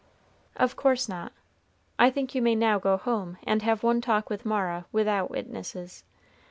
"Of course not. I think you may now go home and have one talk with Mara without witnesses."